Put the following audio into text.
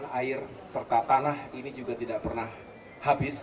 karena air serta tanah ini juga tidak pernah habis